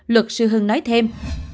luật sư hưng nói thêm